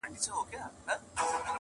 سترګي دي ډکي توپنچې دي؛